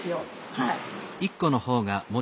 はい。